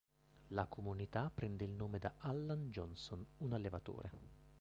La comunità prende il nome da Allan Johnson, un allevatore.